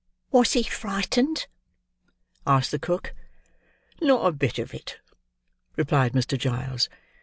'" "Was he frightened?" asked the cook. "Not a bit of it," replied Mr. Giles.